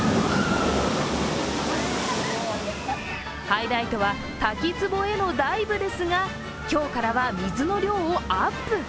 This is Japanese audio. ハイライトは滝つぼへのダイブですが今日からは水の量をアップ。